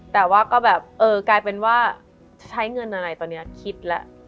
แต่ว่าก็แบบเออกลายเป็นว่าใช้เงินอะไรตอนนี้คิดแล้ว